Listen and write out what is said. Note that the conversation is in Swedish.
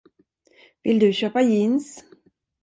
Vill du köpa jeans?